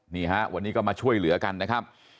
นี่ฮะวันนี้ก็มาช่วยเหลือกันนะครับ